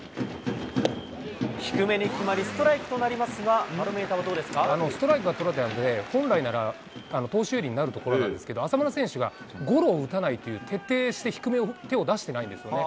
低めに決まり、ストライクとなりますが、ストライクが取れたので、本来なら投手有利になるところなんですけど、浅村選手、徹底して低めを、手を出してないんですよね。